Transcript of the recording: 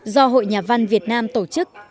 do hội nhà văn việt nam tổ chức